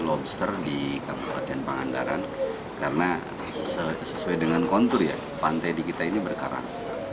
lobster di kabupaten pangandaran karena sesuai dengan kontur ya pantai di kita ini berkarang